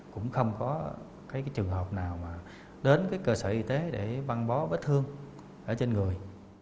cũng không có trường hợp nào đến cơ sở y tế để văn bó vết thương ở trên người